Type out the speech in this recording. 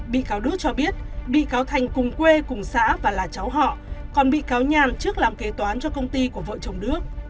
bị cáo đức cho biết bị cáo thành cùng quê cùng xã và là cháu họ còn bị cáo nhàn trước làm kế toán cho công ty của vợ chồng đức